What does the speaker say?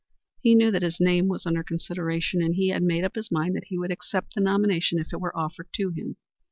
He knew that his name was under consideration, and he had made up his mind that he would accept the nomination if it were offered to him.